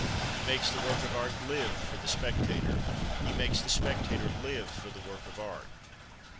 He makes the work of art live for the spectator; he makes the spectator live for the work of art.